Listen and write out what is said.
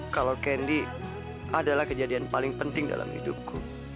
kalau kendi adalah kejadian paling penting dalam hidupku